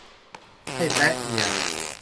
ให้แต๊ะเอีย